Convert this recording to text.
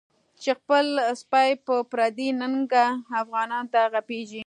چی خپل سپی په پردی ننگه، افغانانوته غپیږی